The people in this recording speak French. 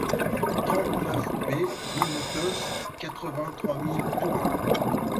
trente-neuf B rue Notos, quatre-vingt-trois mille Toulon